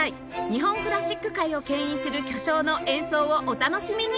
日本クラシック界を牽引する巨匠の演奏をお楽しみに！